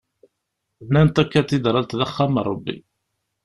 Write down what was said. Nnan takadidralt d axxam n Rebbi.